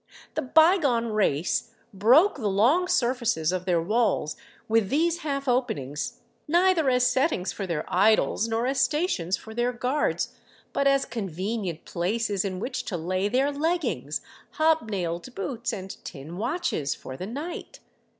The bygone race broke the long surfaces of their walls with these half openings neither as settings for their idols nor as stations for their guards, but as convenient places in which to lay their leggings, hobnailed boots, and tin watches for the night.